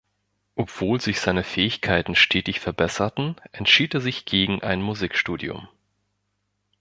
Obwohl sich seine Fähigkeiten stetig verbesserten, entschied er sich gegen ein Musikstudium.